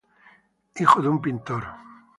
Hijo de un pintor.